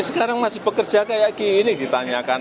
ya sekarang masih pekerja kayak gini ditanyakan